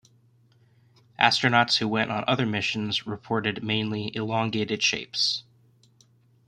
Astronauts who went on other missions reported mainly "elongated shapes".